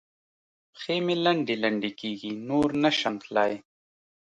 پښې مې لنډې لنډې کېږي؛ نور نه شم تلای.